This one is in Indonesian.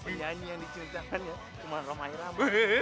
nyanyi yang dicuntangannya cuma romai rama